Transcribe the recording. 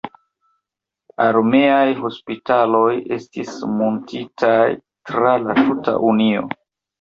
Armeaj hospitaloj estis muntitaj tra la tuta Unio.